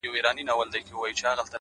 • بس ښکارونه وه مېلې وې مهمانۍ وې ,